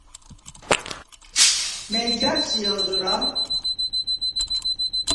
მა̈ჲ ჯა̄რ სი ალ ზურა̄ლ?